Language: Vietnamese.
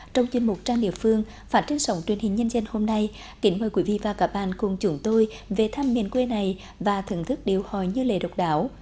trong chương mục trang địa phương phản trưng sổng truyền hình nhân dân hôm nay kính mời quý vị và các bạn cùng chúng tôi về thăm miền quê này và thưởng thức điều họ như lệ độc đảo